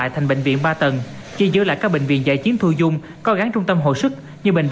thanh hóa còn bốn vị trí ngầm tràn ngập